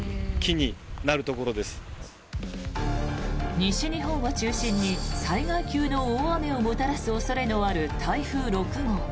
西日本を中心に災害級の大雨をもたらす恐れもある台風６号。